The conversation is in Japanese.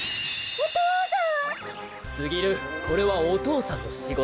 お父さん。